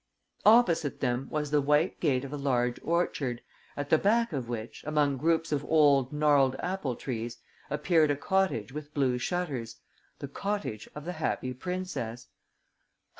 Opposite them was the white gate of a large orchard, at the back of which, among groups of old, gnarled apple trees, appeared a cottage with blue shutters, the cottage of the Happy Princess.